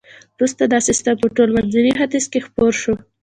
وروسته دا سیستم په ټول منځني ختیځ کې خپور شو.